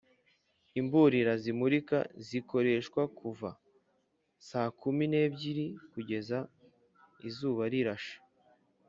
imburira zimurika zikoreshwa kuva sakumi n’ebyiri kugera izuba rirashe